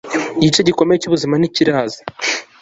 igice gikomeye cyubuzima ntikiraza